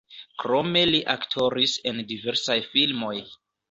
Krome li aktoris en diversaj filmoj.